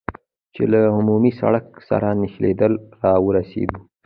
چې له عمومي سړک سره نښلېدل را ورسېدو.